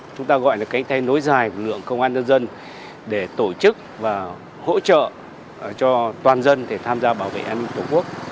chúng ta gọi là cánh tay nối dài của lượng công an nhân dân để tổ chức và hỗ trợ cho toàn dân để tham gia bảo vệ an ninh tổ quốc